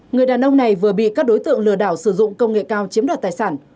người đàn ông này vừa bị các đối tượng lừa đảo sử dụng công nghệ cao chiếm đoạt tài sản